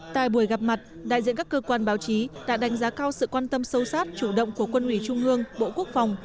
tại buổi gặp mặt đại diện các cơ quan báo chí đã đánh giá cao sự quan tâm sâu sát chủ động của quân ủy trung ương bộ quốc phòng